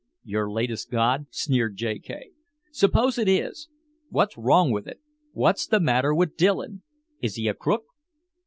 "Your latest god," sneered J. K. "Suppose it is! What's wrong with it? What's the matter with Dillon? Is he a crook?"